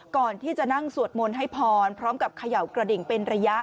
ก่อนที่จะนั่งสวดมนต์ให้พรพร้อมกับเขย่ากระดิ่งเป็นระยะ